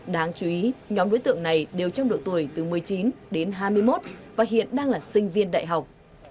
đáng chú ý nhóm đối tượng này đều trong độ tuổi từ một mươi chín đến hai mươi một và hiện đang là sinh viên đại học